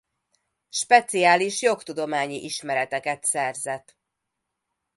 Speciális jogtudományi ismereteket szerzet.